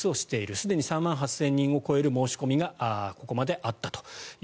すでに３万８０００人を超える申し込みが、ここまであったと。